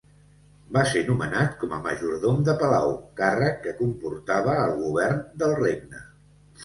Va ser nomenat com a majordom de palau, càrrec que comportava el govern del regne.